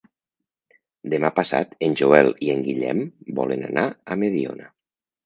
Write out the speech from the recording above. Demà passat en Joel i en Guillem volen anar a Mediona.